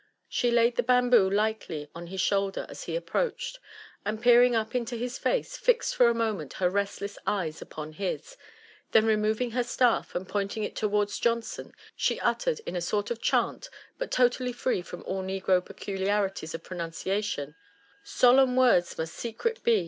She laid the bamboo lightly on his shoulder as he approached, and peering up into his face, fixed for a moment her restless eyes upon his ; then removing her staff, and pointing it towards Johnson, she uttered in a sort of chant, but totally free from all negro peculiarity of pronunciation, " Solemn words miut secret be